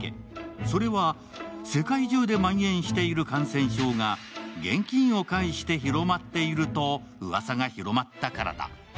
それは世界中で蔓延している感染症が現金を介して広まっているとうわさが広まったからだ。